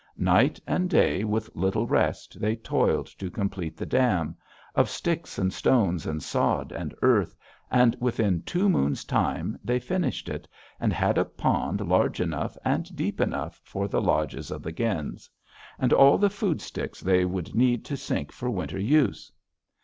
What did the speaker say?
Night and day, with little rest, they toiled to complete the dam, of sticks and stones and sod and earth, and within two moons' time they finished it, and had a pond large enough and deep enough for the lodges of the gens, and all the food sticks they would need to sink for winter use.